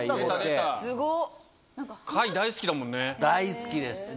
大好きです。